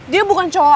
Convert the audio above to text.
dia bukan cowok